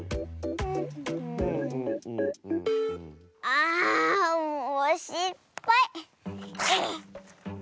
あもうしっぱい！